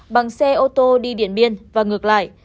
bằng xe ô tô đi điện biên và ngược lại